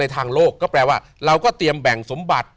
ทางโลกก็แปลว่าเราก็เตรียมแบ่งสมบัติ